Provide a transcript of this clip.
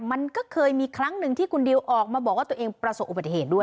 มันก็เคยมีครั้งหนึ่งที่คุณดิวออกมาบอกว่าตัวเองประสบอุบัติเหตุด้วย